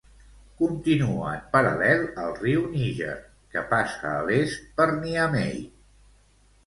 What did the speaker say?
Continua en paral·lel al riu Níger, que passa a l'est per Niamey.